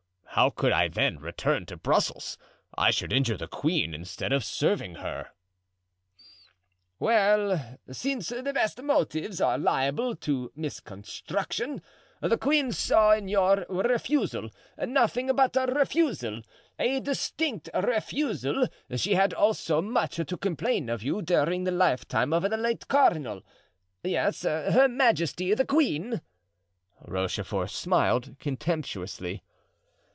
How could I, then, return to Brussels? I should injure the queen instead of serving her." "Well, since the best motives are liable to misconstruction, the queen saw in your refusal nothing but a refusal—a distinct refusal she had also much to complain of you during the lifetime of the late cardinal; yes, her majesty the queen——" Rochefort smiled contemptuously.